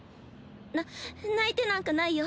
な泣いてなんかないよ。